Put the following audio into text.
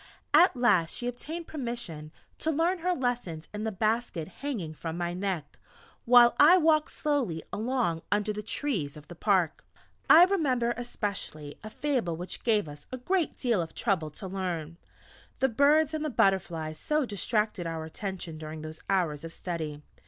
At last she obtained permission to learn her lessons in the basket hanging from my neck, while I walked slowly along under the trees of the park. I remember especially a Fable which gave us a great deal of trouble to learn, the birds and the butterflies so distracted our attention during those hours of Study!